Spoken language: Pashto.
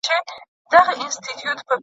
هغوی د ټولنې په سوکالۍ کې اغیزناک رول لري.